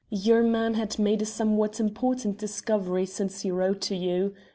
Your man had made a somewhat important discovery since he wrote to you.